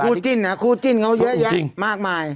ครูจิ้นฮะครูจิ้นเค้าเยอะแยะมากมาย